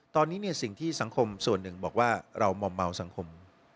ตอนนี้สิ่งที่สังคมส่วนหนึ่งบอกว่าเรามอมเมาสังคม